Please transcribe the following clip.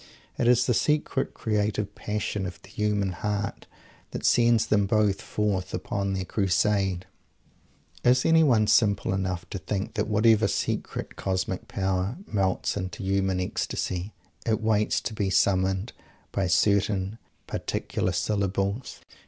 It is the secret creative passion of the human heart that sends them Both forth upon their warfaring. Is any one simple enough to think that whatever Secret Cosmic Power melts into human ecstasy, it waits to be summoned by certain particular syllables?